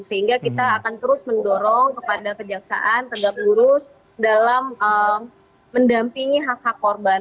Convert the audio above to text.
sehingga kita akan terus mendorong kepada kejaksaan tegak lurus dalam mendampingi hak hak korban